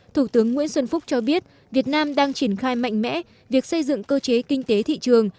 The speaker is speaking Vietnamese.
thủ tướng nguyễn xuân phúc cho biết việt nam đang triển khai mạnh mẽ việc xây dựng cơ chế kinh tế thị trường